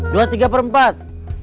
dua tiga perempat